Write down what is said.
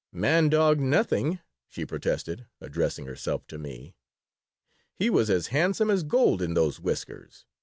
"Man dog nothing," she protested, addressing herself to me. "He was as handsome as gold in those whiskers.